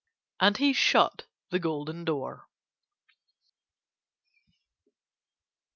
And he shut the golden door.